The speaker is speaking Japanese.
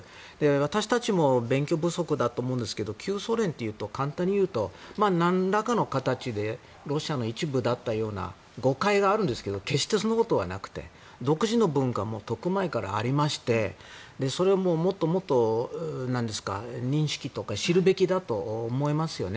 私たちも勉強不足だと思うんですけど旧ソ連というと簡単にいうと、何らかの形でロシアの一部だったような誤解があるんですけど決してそんなことはなくて独自の文化がとっくに前からありましてそれは、もっと認識とか知るべきだと思いますよね。